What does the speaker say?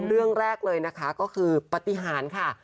เรื่องแรกเลยนะคะก็คือปฏิหารค่ะ